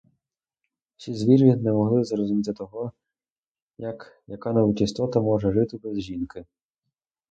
Всі звірі не могли зрозуміти того, як яка-небудь істота може жити без жінки?